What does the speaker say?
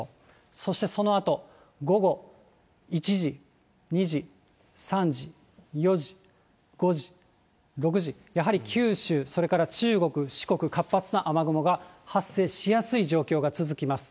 そしてそのあと午後１時、２時、３時、４時、５時、６時、やはり九州、それから中国、四国、活発な雨雲が発生しやすい状況が続きます。